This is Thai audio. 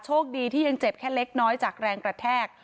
โชคดีที่ยังเจ็บแค่เล็กน้อยจากแรงกระแทก